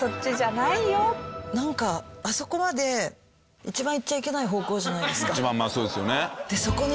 なんかあそこまで一番行っちゃいけない方向じゃないですか。